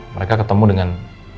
mereka ketemu dengan